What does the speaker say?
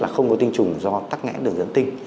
là không có tinh trùng do tắc nghẽn đường dẫn tinh